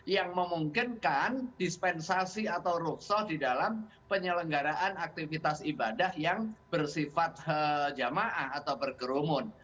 yang memungkinkan dispensasi atau rukso di dalam penyelenggaraan aktivitas ibadah yang bersifat jamaah atau berkerumun